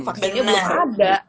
vaksinnya belum ada